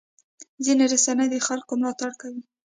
ځینې رسنۍ د خلکو ملاتړ کوي.